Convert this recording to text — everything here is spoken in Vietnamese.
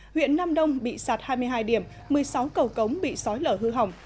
huyện nam đông bị sạt hai mươi hai điểm một mươi sáu cầu cống bị sói lở hư hỏng